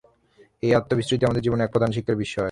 এই আত্মবিস্মৃতিই আমাদের জীবনে এক প্রধান শিক্ষার বিষয়।